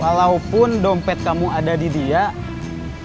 walaupun dompet kamu ada di sebelah kamu